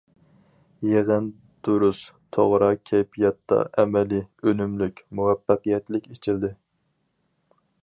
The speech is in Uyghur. يىغىن دۇرۇس، توغرا كەيپىياتتا ئەمەلىي، ئۈنۈملۈك، مۇۋەپپەقىيەتلىك ئېچىلدى.